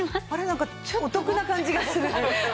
なんかお得な感じがする。